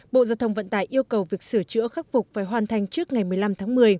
bộ giao thông vận tải yêu cầu việc sửa chữa khắc phục phải hoàn thành trước ngày một mươi năm tháng một mươi